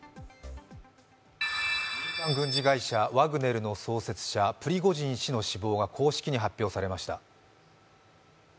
民間軍事会社ワグネルの創設者、プリゴジン氏の死亡が公式に発表されました。